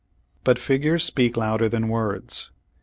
But hgures speak louder than words.